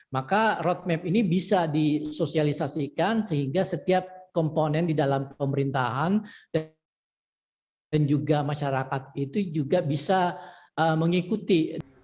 maka roadmap ini bisa disosialisasikan sehingga setiap komponen di dalam pemerintahan dan juga masyarakat itu juga bisa mengikuti